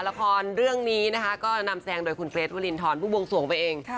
ละครเรื่องนี้นะคะก็นำแซงโดยคุณเกรทวรินทรผู้บวงสวงไปเอง